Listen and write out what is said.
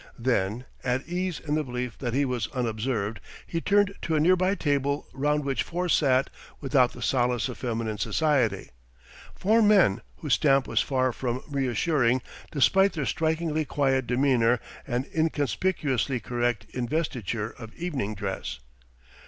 Then, at ease in the belief that he was unobserved, he turned to a near by table round which four sat without the solace of feminine society four men whose stamp was far from reassuring despite their strikingly quiet demeanour and inconspicuously correct investiture of evening dress.